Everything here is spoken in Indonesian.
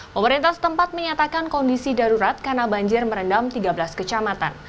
pemerintah setempat menyatakan kondisi darurat karena banjir merendam tiga belas kecamatan